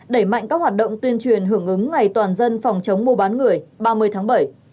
đẩy mạnh các hoạt động tuyên truyền hưởng ứng ngày toàn dân phòng chống mua bán người ba mươi tháng bảy